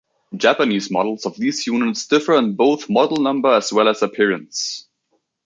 Japanese models of these units differ in both model number as well as appearance.